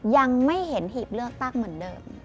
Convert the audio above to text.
ยังไม่เห็นหีบเลือกตั้งเหมือนเดิม